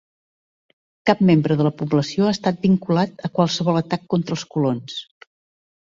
Cap membre de la població ha estat vinculat a qualsevol atac contra els colons.